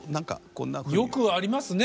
よくありますね。